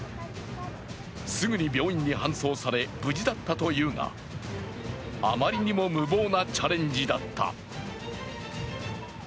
すぐに病院に搬送され、無事だったというが、あまりにも無謀なチャレンジだった。